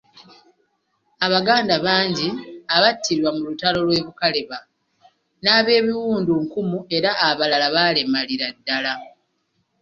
Abaganda bangi abattirwa mu lutalo lw'e Bukaleeba, n'ab'ebiwundu nkumu era abalala baalemalira ddala.